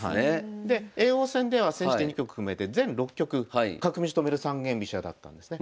叡王戦では千日手２局含めて全６局角道止める三間飛車だったんですね。